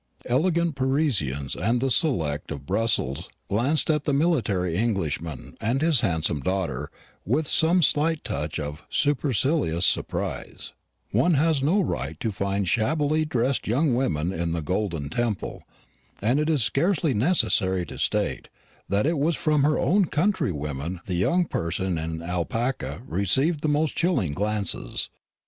Elegant Parisians and the select of Brussels glanced at the military Englishman and his handsome daughter with some slight touch of supercilious surprise one has no right to find shabbily dressed young women in the golden temple and it is scarcely necessary to state that it was from her own countrywomen the young person in alpaca received the most chilling glances.